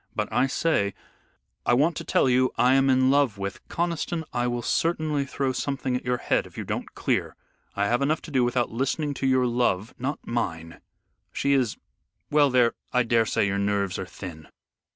But, I say, I want to tell you I am in love with " "Conniston, I will certainly throw something at your head if you don't clear. I have enough to do without listening to your love " "Not mine. She is well there, I daresay your nerves are thin.